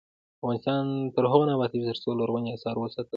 افغانستان تر هغو نه ابادیږي، ترڅو لرغوني اثار وساتل نشي.